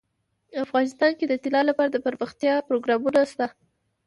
افغانستان کې د طلا لپاره دپرمختیا پروګرامونه شته.